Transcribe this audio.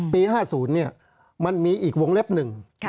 ๕๐มันมีอีกวงเล็บหนึ่ง